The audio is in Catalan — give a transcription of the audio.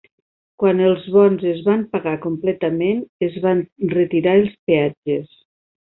Quan els bons es van pagar completament, es van retirar els peatges.